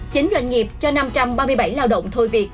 chín doanh nghiệp cho năm trăm ba mươi bảy lao động thôi việc